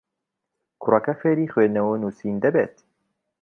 کوڕەکە فێری خوێندنەوە و نووسین دەبێت.